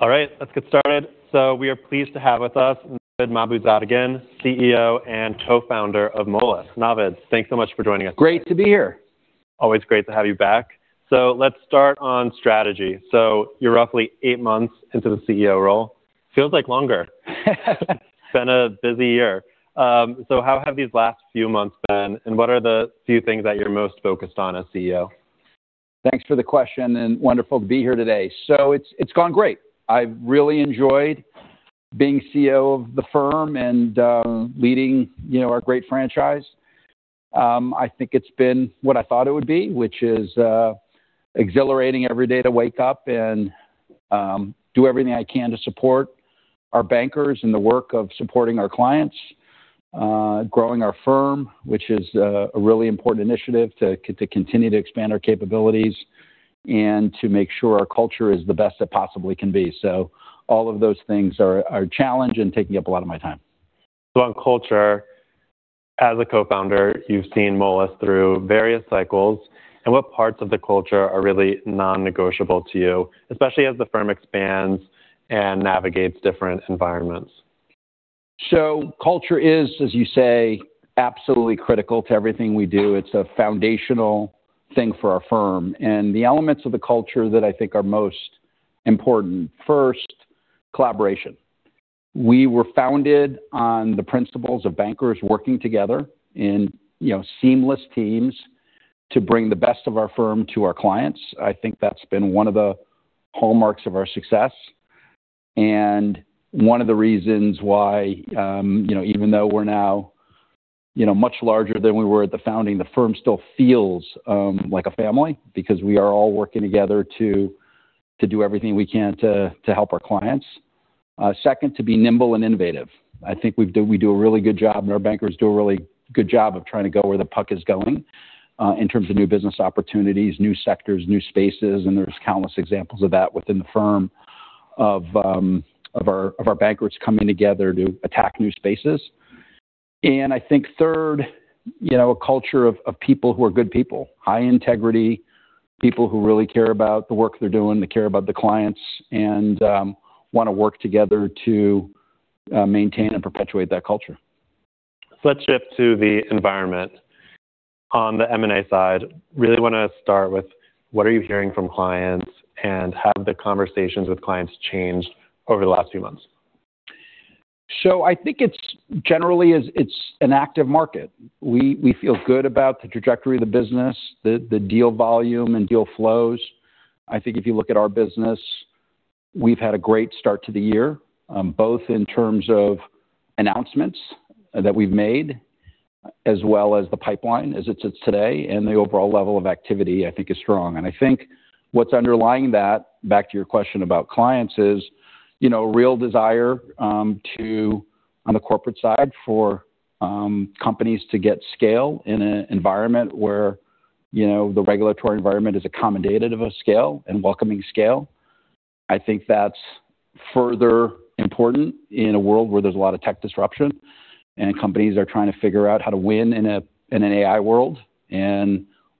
All right, let's get started. We are pleased to have with us Navid Mahmoodzadegan again, CEO and Co-Founder of Moelis. Navid, thanks so much for joining us. Great to be here. Always great to have you back. Let's start on strategy. You're roughly eight months into the CEO role. Feels like longer. It's been a busy year. How have these last few months been, and what are the few things that you're most focused on as CEO? Thanks for the question, and wonderful to be here today. It's gone great. I've really enjoyed being CEO of the firm and leading our great franchise. I think it's been what I thought it would be, which is exhilarating every day to wake up and do everything I can to support our bankers and the work of supporting our clients, growing our firm, which is a really important initiative to continue to expand our capabilities and to make sure our culture is the best it possibly can be. All of those things are a challenge and taking up a lot of my time. On culture, as a Co-Founder, you've seen Moelis through various cycles. What parts of the culture are really non-negotiable to you, especially as the firm expands and navigates different environments? Culture is, as you say, absolutely critical to everything we do. It's a foundational thing for our firm. The elements of the culture that I think are most important, first, collaboration. We were founded on the principles of bankers working together in seamless teams to bring the best of our firm to our clients. I think that's been one of the hallmarks of our success and one of the reasons why, even though we're now much larger than we were at the founding, the firm still feels like a family because we are all working together to do everything we can to help our clients. Second, to be nimble and innovative. I think we do a really good job, and our bankers do a really good job of trying to go where the puck is going in terms of new business opportunities, new sectors, new spaces, and there's countless examples of that within the firm of our bankers coming together to attack new spaces. I think third, a culture of people who are good people. High-integrity people who really care about the work they're doing, they care about the clients, and want to work together to maintain and perpetuate that culture. Let's shift to the environment. On the M&A side, really want to start with what are you hearing from clients, and have the conversations with clients changed over the last few months? I think generally, it's an active market. We feel good about the trajectory of the business, the deal volume and deal flows. I think if you look at our business, we've had a great start to the year, both in terms of announcements that we've made as well as the pipeline as it sits today, and the overall level of activity, I think, is strong. I think what's underlying that, back to your question about clients, is a real desire to, on the corporate side, for companies to get scale in an environment where the regulatory environment is accommodative of scale and welcoming scale. I think that's further important in a world where there's a lot of tech disruption and companies are trying to figure out how to win in an AI world.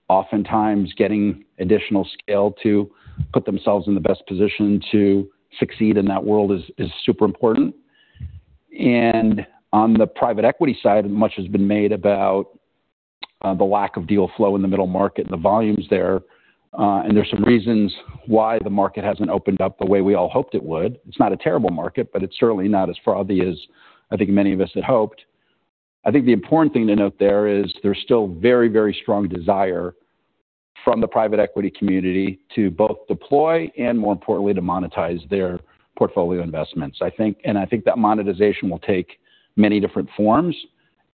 Oftentimes getting additional scale to put themselves in the best position to succeed in that world is super important. On the private equity side, much has been made about the lack of deal flow in the middle market and the volumes there. There's some reasons why the market hasn't opened up the way we all hoped it would. It's not a terrible market, but it's certainly not as frothy as I think many of us had hoped. I think the important thing to note there is there's still very strong desire from the private equity community to both deploy and, more importantly, to monetize their portfolio investments. I think that monetization will take many different forms,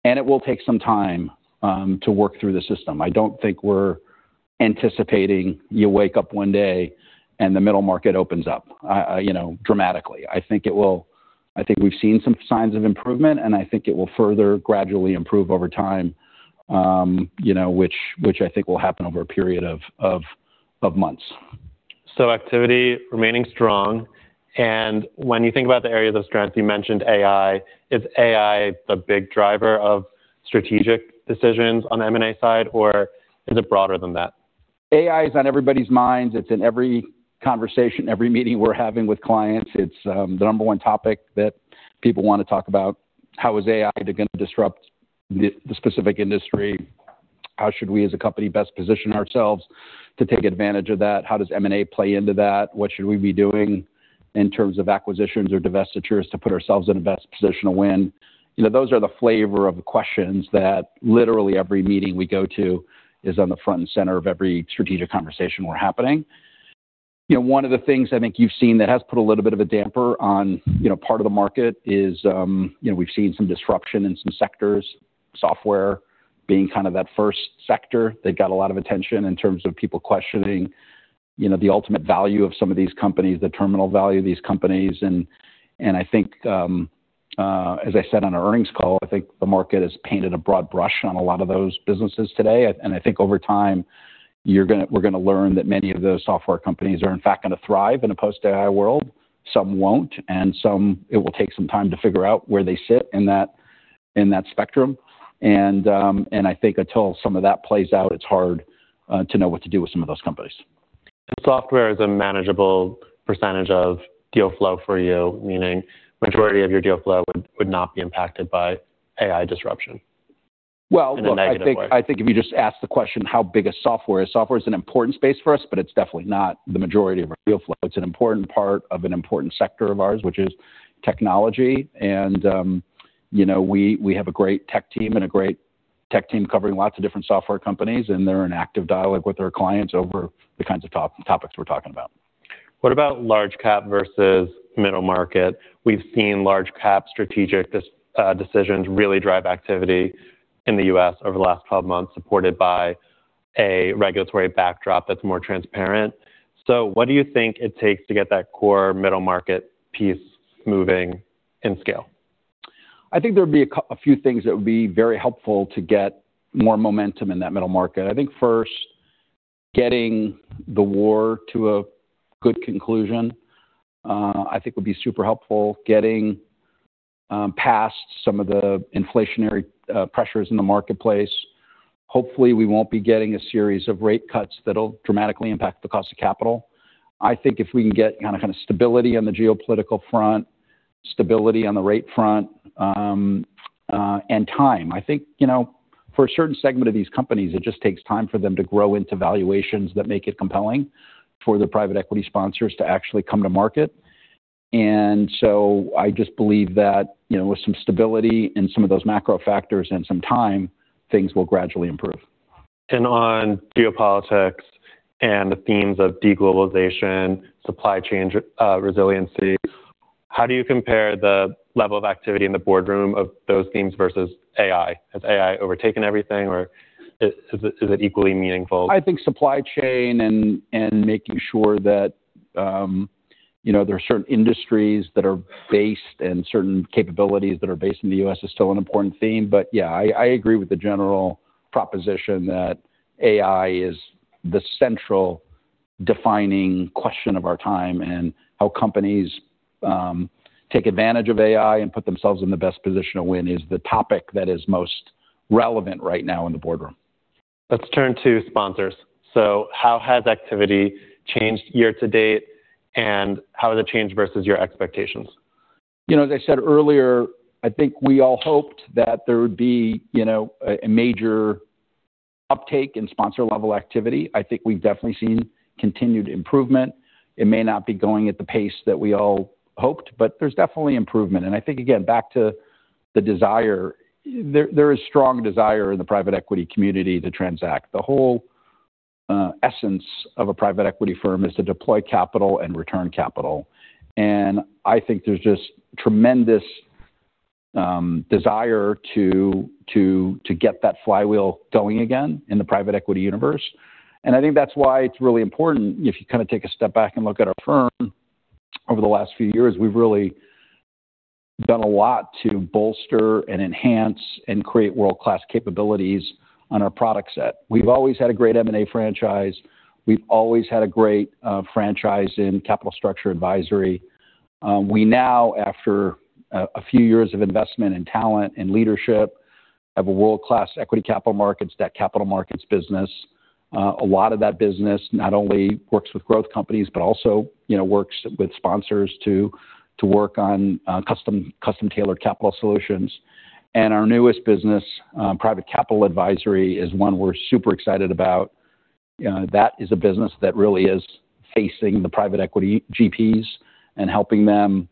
and it will take some time to work through the system. I don't think we're anticipating you wake up one day and the middle market opens up dramatically. I think we've seen some signs of improvement, and I think it will further gradually improve over time, which I think will happen over a period of months. Activity remaining strong. When you think about the areas of strength, you mentioned AI. Is AI the big driver of strategic decisions on the M&A side, or is it broader than that? AI is on everybody's minds. It's in every conversation, every meeting we're having with clients. It's the number one topic that people want to talk about. How is AI going to disrupt the specific industry? How should we as a company best position ourselves to take advantage of that? How does M&A play into that? What should we be doing in terms of acquisitions or divestitures to put ourselves in the best position to win? Those are the flavor of the questions that literally every meeting we go to is on the front and center of every strategic conversation we're having. One of the things I think you've seen that has put a little bit of a damper on part of the market is we've seen some disruption in some sectors, software being kind of that first sector that got a lot of attention in terms of people questioning the ultimate value of some of these companies, the terminal value of these companies. I think, as I said on our earnings call, I think the market has painted a broad brush on a lot of those businesses today. I think over time, we're going to learn that many of those software companies are, in fact, going to thrive in a post-AI world. Some won't, and some it will take some time to figure out where they sit in that spectrum. I think until some of that plays out, it's hard to know what to do with some of those companies. Software is a manageable percentage of deal flow for you, meaning the majority of your deal flow would not be impacted by AI disruption in a negative way. Well. I think if you just ask the question, how big is software? Software is an important space for us, but it's definitely not the majority of our deal flow. It's an important part of an important sector of ours, which is technology. We have a great tech team, and a great tech team covering lots of different software companies, and they're in active dialogue with our clients over the kinds of topics we're talking about. What about large cap versus middle market? We've seen large cap strategic decisions really drive activity in the U.S. over the last 12 months, supported by a regulatory backdrop that's more transparent. What do you think it takes to get that core middle-market piece moving in scale? I think there would be a few things that would be very helpful to get more momentum in that middle market. I think first, getting the war to a good conclusion, I think, would be super helpful. Getting past some of the inflationary pressures in the marketplace. Hopefully, we won't be getting a series of rate cuts that'll dramatically impact the cost of capital. I think if we can get stability on the geopolitical front, stability on the rate front, and time. I think, for a certain segment of these companies, it just takes time for them to grow into valuations that make it compelling for the private equity sponsors to actually come to market. I just believe that with some stability in some of those macro factors, and some time, things will gradually improve. On geopolitics and the themes of de-globalization, supply chain resiliency, how do you compare the level of activity in the boardroom of those themes versus AI? Has AI overtaken everything, or is it equally meaningful? I think supply chain and making sure that there are certain industries that are based, and certain capabilities that are based in the U.S. is still an important theme. Yeah, I agree with the general proposition that AI is the central defining question of our time, and how companies take advantage of AI and put themselves in the best position to win is the topic that is most relevant right now in the boardroom. Let's turn to sponsors. How has activity changed year to date, and how has it changed versus your expectations? As I said earlier, I think we all hoped that there would be a major uptake in sponsor-level activity. I think we've definitely seen continued improvement. It may not be going at the pace that we all hoped, but there's definitely improvement. I think, again, back to the desire, there is strong desire in the private equity community to transact. The whole essence of a private equity firm is to deploy capital and return capital. I think there's just tremendous desire to get that flywheel going again in the private equity universe. I think that's why it's really important if you take a step back and look at our firm. Over the last few years, we've really done a lot to bolster and enhance and create world-class capabilities on our product set. We've always had a great M&A franchise. We've always had a great franchise in capital structure advisory. We now, after a few years of investment in talent and leadership, have a world-class equity capital markets, debt capital markets business. A lot of that business not only works with growth companies, but also works with sponsors to work on custom-tailored capital solutions. Our newest business, private capital advisory, is one we're super excited about. That is a business that really is facing the private equity GPs and helping them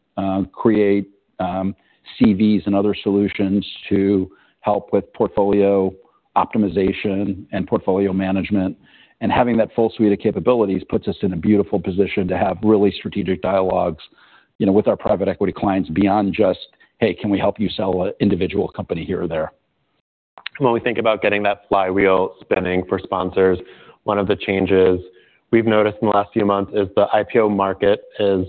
create CVs and other solutions to help with portfolio optimization and portfolio management. Having that full suite of capabilities puts us in a beautiful position to have really strategic dialogues with our private equity clients beyond just, "Hey, can we help you sell an individual company here or there? When we think about getting that flywheel spinning for sponsors, one of the changes we've noticed in the last few months is the IPO market is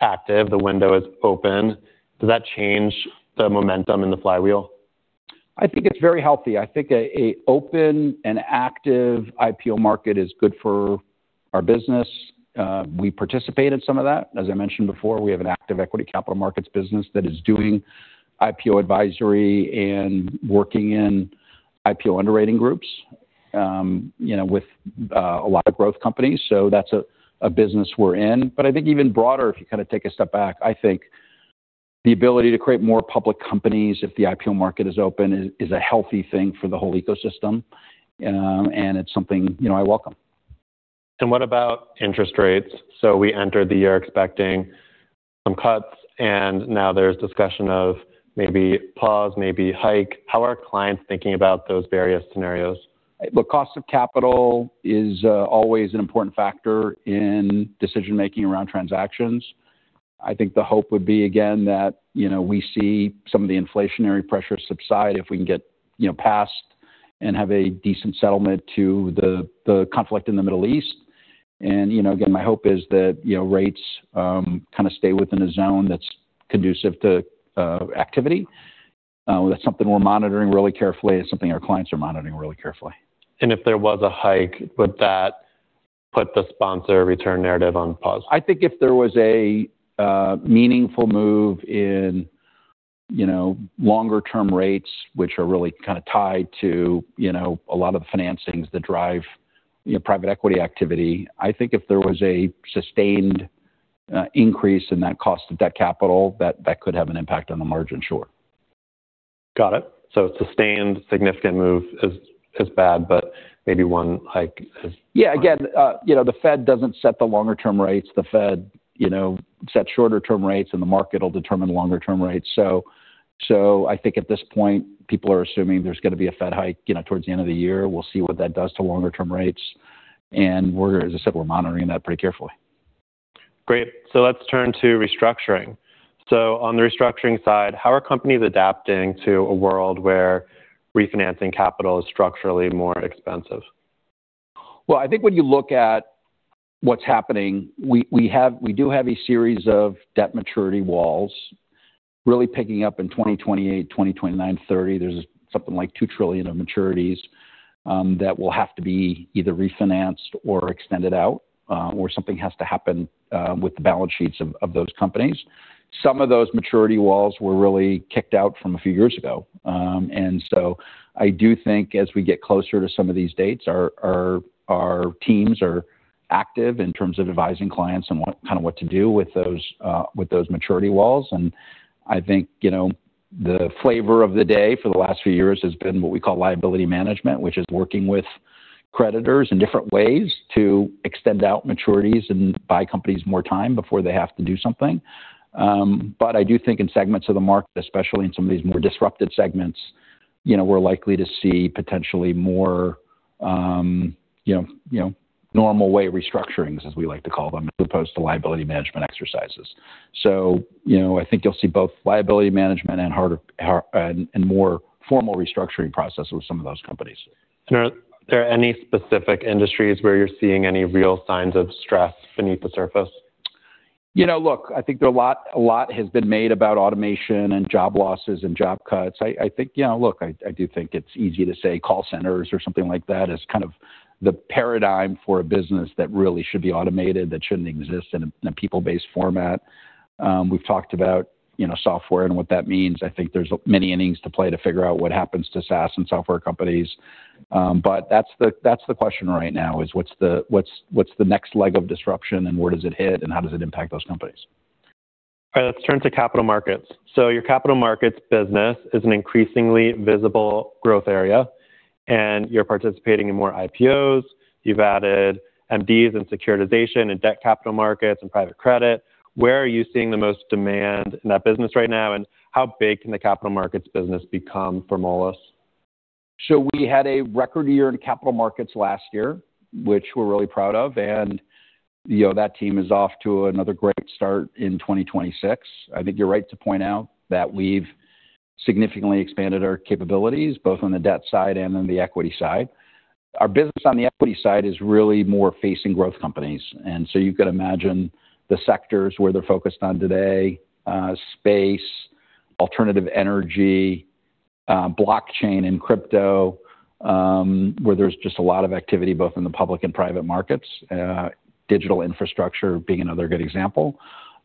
active. The window is open. Does that change the momentum in the flywheel? I think it's very healthy. I think an open and active IPO market is good for our business. We participate in some of that. As I mentioned before, we have an active equity capital markets business that is doing IPO advisory and working in IPO underwriting groups with a lot of growth companies. That's a business we're in. I think even broader, if you take a step back, I think the ability to create more public companies if the IPO market is open is a healthy thing for the whole ecosystem, and it's something I welcome. What about interest rates? We entered the year expecting some cuts, now there's discussion of maybe pause, maybe hike. How are clients thinking about those various scenarios? Cost of capital is always an important factor in decision-making around transactions. I think the hope would be, again, that we see some of the inflationary pressure subside if we can get past and have a decent settlement to the conflict in the Middle East. Again, my hope is that rates stay within a zone that's conducive to activity. That's something we're monitoring really carefully. It's something our clients are monitoring really carefully. If there was a hike, would that put the sponsor return narrative on pause. I think if there was a meaningful move in longer-term rates, which are really kind of tied to a lot of the financings that drive private equity activity. I think if there was a sustained increase in that cost of debt capital, that could have an impact on the margin. Sure. Got it. A sustained significant move is bad, but maybe one hike is. Yeah. The Fed doesn't set the longer-term rates. The Fed sets shorter-term rates, and the market will determine the longer-term rates. I think at this point, people are assuming there's going to be a Fed hike towards the end of the year. We'll see what that does to longer-term rates, and as I said, we're monitoring that pretty carefully. Great. Let's turn to restructuring. On the restructuring side, how are companies adapting to a world where refinancing capital is structurally more expensive? Well, I think when you look at what's happening, we do have a series of debt maturity walls really picking up in 2028, 2029, 2030. There's something like $2 trillion of maturities that will have to be either refinanced or extended out, or something has to happen with the balance sheets of those companies. Some of those maturity walls were really kicked out from a few years ago. I do think as we get closer to some of these dates, our teams are active in terms of advising clients on kind of what to do with those maturity walls. I think the flavor of the day for the last few years has been what we call liability management, which is working with creditors in different ways to extend out maturities and buy companies more time before they have to do something. I do think in segments of the market, especially in some of these more disrupted segments, we're likely to see potentially more normal-way restructurings, as we like to call them, as opposed to liability management exercises. I think you'll see both liability management and more formal restructuring processes with some of those companies. Are there any specific industries where you're seeing any real signs of stress beneath the surface? Look, I think a lot has been made about automation and job losses and job cuts. Look, I do think it's easy to say call centers or something like that as kind of the paradigm for a business that really should be automated, that shouldn't exist in a people-based format. We've talked about software and what that means. I think there's many innings to play to figure out what happens to SaaS and software companies. That's the question right now, is what's the next leg of disruption and where does it hit and how does it impact those companies? All right. Let's turn to capital markets. Your capital markets business is an increasingly visible growth area, and you're participating in more IPOs. You've added MDs in securitization and debt capital markets and private credit. Where are you seeing the most demand in that business right now, and how big can the capital markets business become for Moelis? We had a record year in capital markets last year, which we're really proud of, and that team is off to another great start in 2026. I think you're right to point out that we've significantly expanded our capabilities, both on the debt side and on the equity side. Our business on the equity side is really more facing growth companies, and so you could imagine the sectors where they're focused on today, space, alternative energy, blockchain, and crypto, where there's just a lot of activity both in the public and private markets. Digital infrastructure being another good example.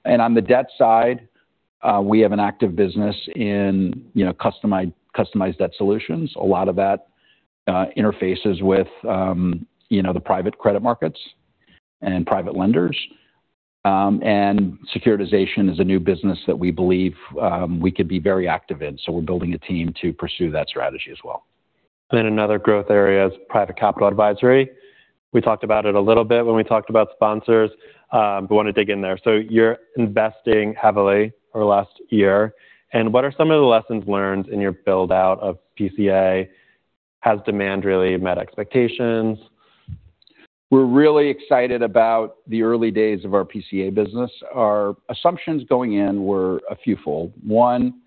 On the debt side, we have an active business in customized debt solutions. A lot of that interfaces with the private credit markets and private lenders. Securitization is a new business that we believe we could be very active in. We're building a team to pursue that strategy as well. Another growth area is private capital advisory. We talked about it a little bit when we talked about sponsors, but want to dig in there. You're investing heavily over the last year, and what are some of the lessons learned in your build-out of PCA? Has demand really met expectations? We're really excited about the early days of our PCA business. Our assumptions going in were a few-fold. One,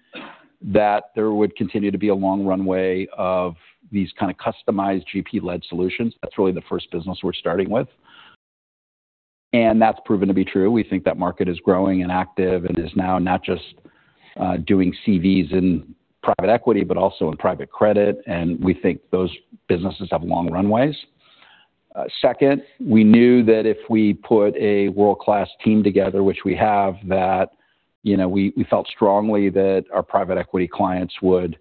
that there would continue to be a long runway of these kind of customized GP-led solutions. That's really the first business we're starting with. That's proven to be true. We think that market is growing and active and is now not just doing CVs in private equity, but also in private credit, and we think those businesses have long runways. Second, we knew that if we put a world-class team together, which we have, that we felt strongly that our private equity clients would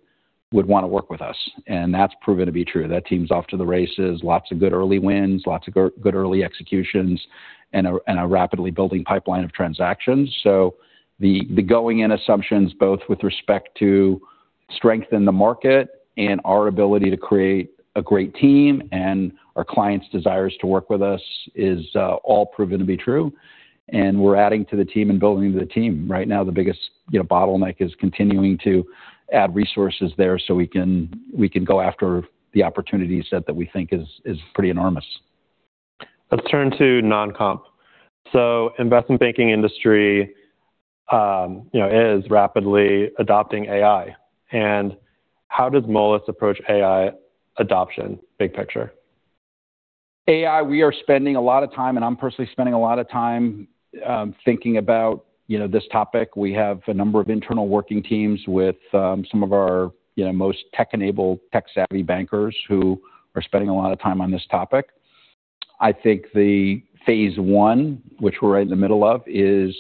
want to work with us, and that's proven to be true. That team's off to the races. Lots of good early wins, lots of good early executions, and a rapidly building pipeline of transactions. The going-in assumptions, both with respect to strength in the market and our ability to create a great team and our clients' desires to work with us, is all proven to be true, and we're adding to the team and building the team. Right now, the biggest bottleneck is continuing to add resources there so we can go after the opportunity set that we think is pretty enormous. Let's turn to non-comp. Investment banking industry is rapidly adopting AI. How does Moelis approach AI adoption, big picture? AI, we are spending a lot of time, and I'm personally spending a lot of time thinking about this topic. We have a number of internal working teams with some of our most tech-enabled, tech-savvy bankers who are spending a lot of time on this topic. I think the phase I, which we're right in the middle of, is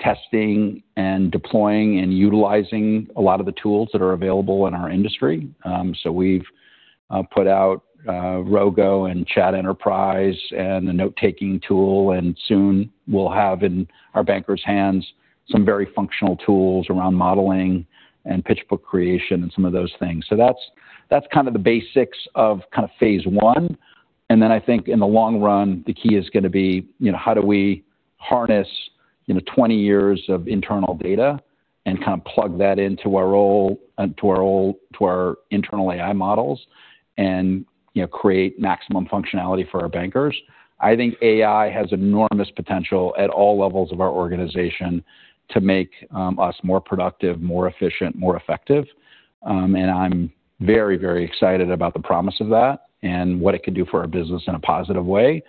testing and deploying and utilizing a lot of the tools that are available in our industry. We've put out Rogo and Chat Enterprise and the note-taking tool, and soon we'll have in our bankers' hands some very functional tools around modeling and pitch book creation and some of those things. That's kind of the basics of phase I. I think in the long run, the key is going to be how do we harness 20 years of internal data and plug that into our internal AI models and create maximum functionality for our bankers. I think AI has enormous potential at all levels of our organization to make us more productive, more efficient, more effective. I'm very excited about the promise of that and what it could do for our business in a positive way.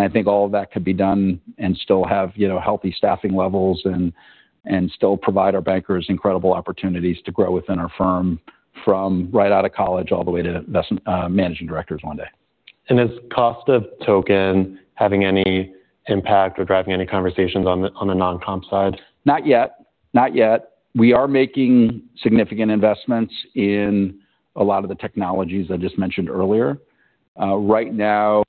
I think all of that could be done and still have healthy staffing levels and still provide our bankers incredible opportunities to grow within our firm from right out of college all the way to investment managing directors one day. Is cost of token having any impact or driving any conversations on the non-comp side? Not yet. We are making significant investments in a lot of the technologies I just mentioned earlier. Right now,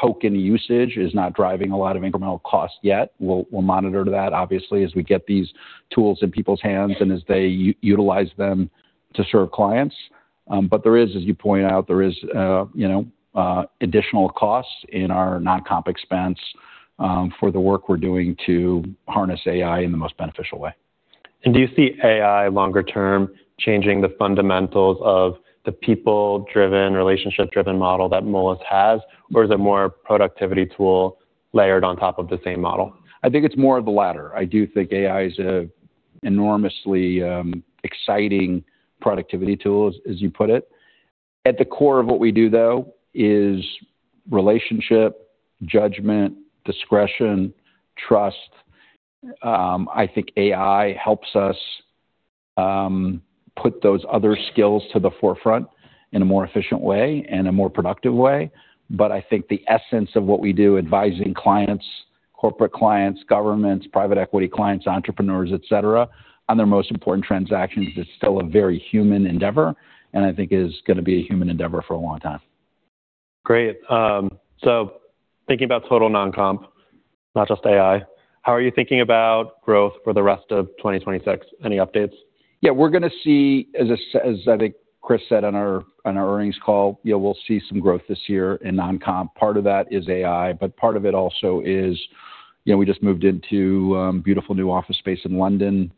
token usage is not driving a lot of incremental cost yet. We'll monitor that obviously as we get these tools in people's hands and as they utilize them to serve clients. There is, as you point out, there is additional costs in our non-comp expense for the work we're doing to harness AI in the most beneficial way. Do you see AI longer term changing the fundamentals of the people-driven, relationship-driven model that Moelis has, or is it more productivity tool layered on top of the same model? I think it's more of the latter. I do think AI's an enormously exciting productivity tool, as you put it. At the core of what we do, though, is relationship, judgment, discretion, trust. I think AI helps us put those other skills to the forefront in a more efficient way and a more productive way. I think the essence of what we do, advising clients, corporate clients, governments, private equity clients, entrepreneurs, et cetera, on their most important transactions is still a very human endeavor. I think is going to be a human endeavor for a long time. Great. Thinking about total non-comp, not just AI, how are you thinking about growth for the rest of 2026? Any updates? Yeah, we're going to see, as I think Chris said on our earnings call, we'll see some growth this year in non-comp. Part of that is AI, but part of it also is we just moved into a beautiful new office space in London.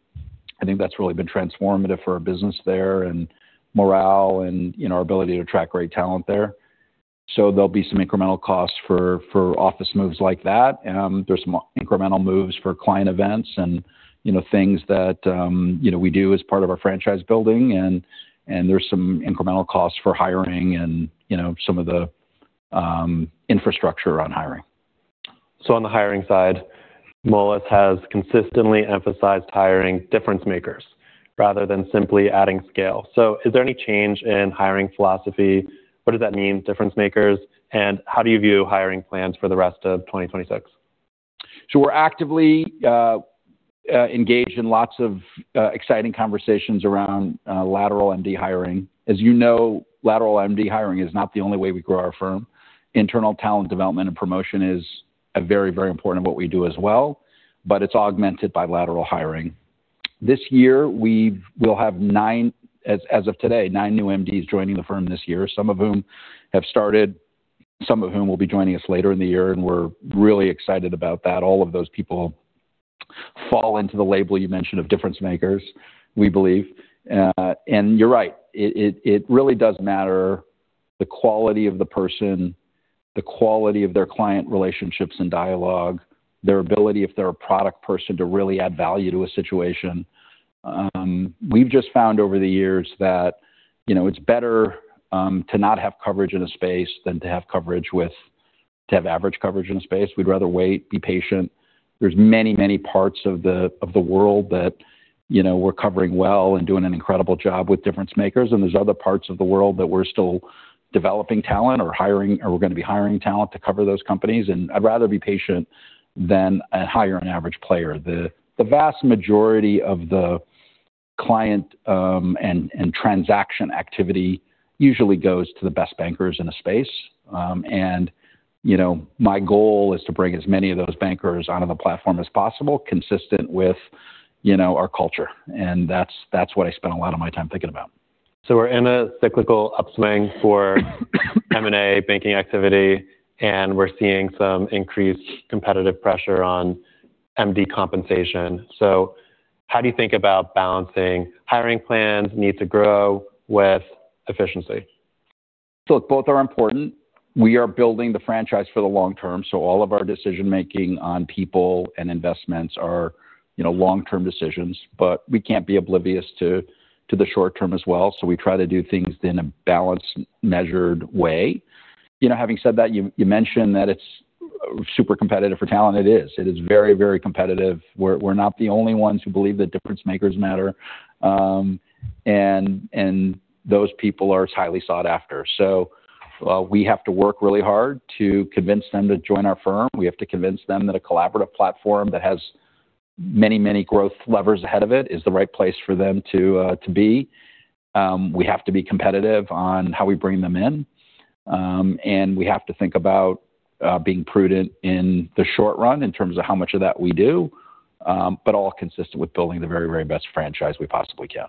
I think that's really been transformative for our business there and morale and our ability to attract great talent there. There'll be some incremental costs for office moves like that. There's some incremental moves for client events and things that we do as part of our franchise building, there's some incremental costs for hiring and some of the infrastructure around hiring. On the hiring side, Moelis has consistently emphasized hiring difference makers rather than simply adding scale. Is there any change in hiring philosophy? What does that mean, difference makers, and how do you view hiring plans for the rest of 2026? We're actively engaged in lots of exciting conversations around lateral MD hiring. As you know, lateral MD hiring is not the only way we grow our firm. Internal talent development and promotion is a very important of what we do as well, but it's augmented by lateral hiring. This year, we will have nine, as of today, nine new MDs joining the firm this year, some of whom have started, some of whom will be joining us later in the year, we're really excited about that. All of those people fall into the label you mentioned of difference makers, we believe. You're right, it really does matter the quality of the person, the quality of their client relationships and dialogue, their ability if they're a product person to really add value to a situation. We've just found over the years that it's better to not have coverage in a space than to have average coverage in a space. We'd rather wait, be patient. There's many parts of the world that we're covering well and doing an incredible job with difference makers, and there's other parts of the world that we're still developing talent or we're going to be hiring talent to cover those companies. I'd rather be patient than hire an average player. The vast majority of the client and transaction activity usually goes to the best bankers in a space. My goal is to bring as many of those bankers onto the platform as possible, consistent with our culture. That's what I spend a lot of my time thinking about. We're in a cyclical upswing for M&A banking activity, and we're seeing some increased competitive pressure on MD compensation. How do you think about balancing hiring plans, need to grow with efficiency? Both are important. We are building the franchise for the long term, so all of our decision-making on people and investments are long-term decisions, but we can't be oblivious to the short term as well. We try to do things in a balanced, measured way. Having said that, you mentioned that it's super competitive for talent it is. It is very competitive. We're not the only ones who believe that difference makers matter. Those people are highly sought after. We have to work really hard to convince them to join our firm. We have to convince them that a collaborative platform that has many, many growth levers ahead of it is the right place for them to be. We have to be competitive on how we bring them in. We have to think about being prudent in the short run in terms of how much of that we do. All consistent with building the very best franchise we possibly can.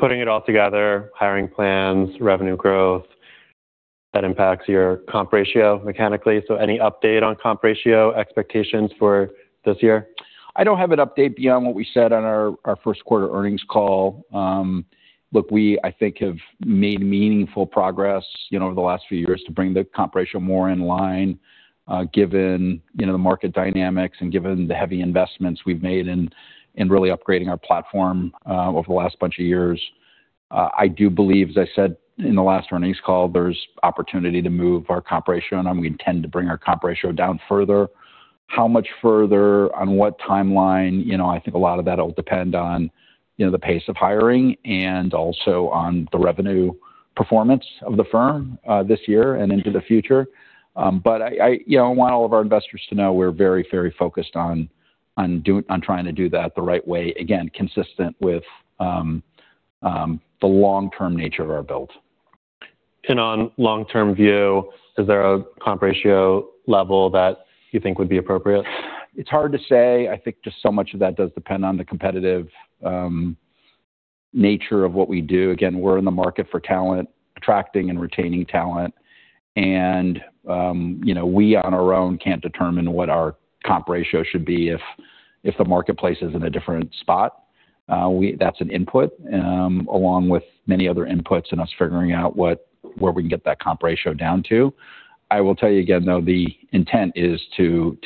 Putting it all together, hiring plans, revenue growth, that impacts your comp ratio mechanically. Any update on comp ratio expectations for this year? I don't have an update beyond what we said on our first quarter earnings call. Look, we, I think have made meaningful progress over the last few years to bring the comp ratio more in line given the market dynamics and given the heavy investments we've made in really upgrading our platform over the last bunch of years. I do believe, as I said in the last earnings call, there's opportunity to move our comp ratio, and we intend to bring our comp ratio down further. How much further, on what timeline? I think a lot of that'll depend on the pace of hiring and also on the revenue performance of the firm this year and into the future. I want all of our investors to know we're very, very focused on trying to do that the right way. Again, consistent with the long-term nature of our build. On long-term view, is there a comp ratio level that you think would be appropriate? It's hard to say. I think just so much of that does depend on the competitive nature of what we do. Again, we're in the market for talent, attracting and retaining talent, and we on our own can't determine what our comp ratio should be if the marketplace is in a different spot. That's an input, along with many other inputs and us figuring out where we can get that comp ratio down to. I will tell you again, though, the intent is to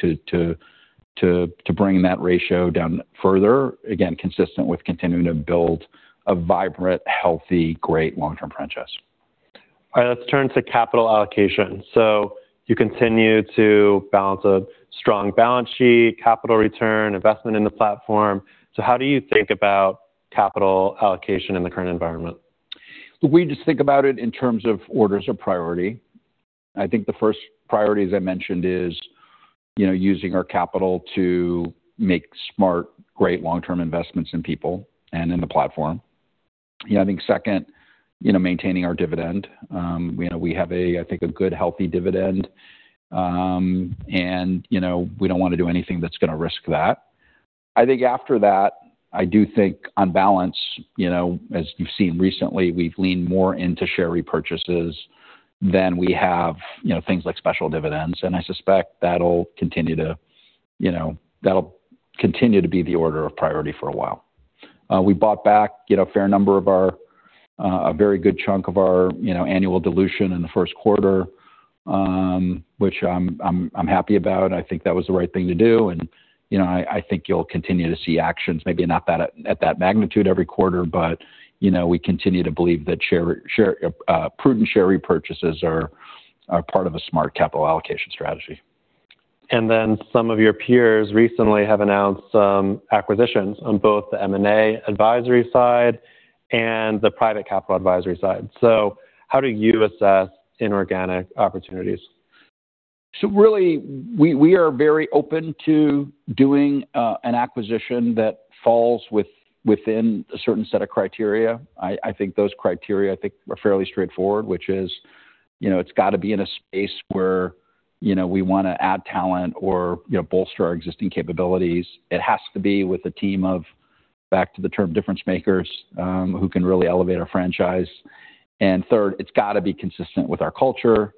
bring that ratio down further. Again, consistent with continuing to build a vibrant, healthy, great long-term franchise. Let's turn to capital allocation. You continue to balance a strong balance sheet, capital return, investment in the platform. How do you think about capital allocation in the current environment? We just think about it in terms of orders of priority. I think the first priority, as I mentioned, is using our capital to make smart, great long-term investments in people and in the platform. I think second, maintaining our dividend. We have, I think, a good, healthy dividend. We don't want to do anything that's going to risk that. I think after that, I do think on balance, as you've seen recently, we've leaned more into share repurchases than we have things like special dividends. I suspect that'll continue to be the order of priority for a while. We bought back a very good chunk of our annual dilution in the first quarter, which I'm happy about. I think that was the right thing to do. I think you'll continue to see actions, maybe not at that magnitude every quarter, we continue to believe that prudent share repurchases are part of a smart capital allocation strategy. Some of your peers recently have announced some acquisitions on both the M&A advisory side and the private capital advisory side. How do you assess inorganic opportunities? Really, we are very open to doing an acquisition that falls within a certain set of criteria. I think those criteria, I think are fairly straightforward, which is, it's got to be in a space where we want to add talent or bolster our existing capabilities. It has to be with a team of, back to the term, difference makers who can really elevate our franchise. Third, it's got to be consistent with our culture.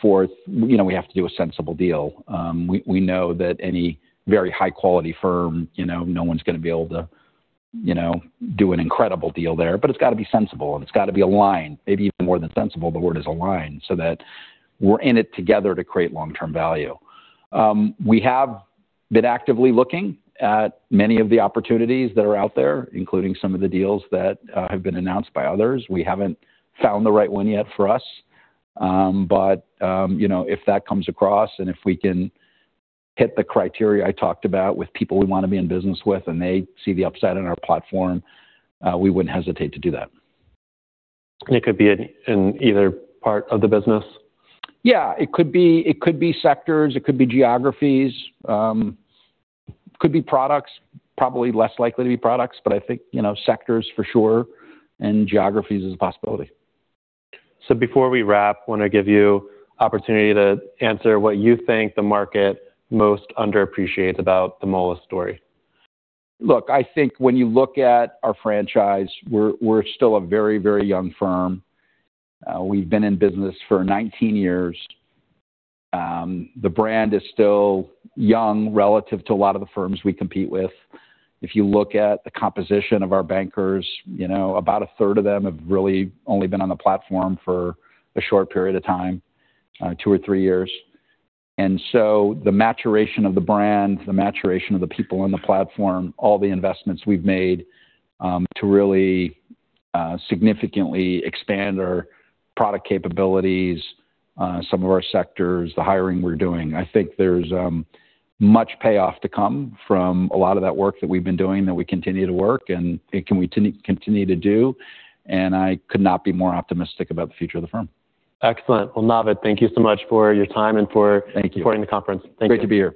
Fourth, we have to do a sensible deal. We know that any very high-quality firm, no one's going to be able to do an incredible deal there. It's got to be sensible, and it's got to be aligned, maybe even more than sensible, the word is aligned, so that we're in it together to create long-term value. We have been actively looking at many of the opportunities that are out there, including some of the deals that have been announced by others. We haven't found the right one yet for us. If that comes across and if we can hit the criteria I talked about with people we want to be in business with and they see the upside in our platform, we wouldn't hesitate to do that. It could be in either part of the business? Yeah. It could be sectors, it could be geographies. Could be products. Probably less likely to be products, I think sectors for sure, and geographies is a possibility. Before we wrap, I want to give you opportunity to answer what you think the market most underappreciates about the Moelis story. Look, I think when you look at our franchise, we're still a very, very young firm. We've been in business for 19 years. The brand is still young relative to a lot of the firms we compete with. If you look at the composition of our bankers, about a third of them have really only been on the platform for a short period of time, two or three years. The maturation of the brand, the maturation of the people in the platform, all the investments we've made to really significantly expand our product capabilities, some of our sectors, the hiring we're doing. I think there's much payoff to come from a lot of that work that we've been doing, that we continue to work, and continue to do. I could not be more optimistic about the future of the firm. Excellent. Well, Navid, thank you so much for your time and for supporting the conference. Thank you. Thank you. Great to be here.